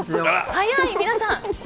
早い、皆さん。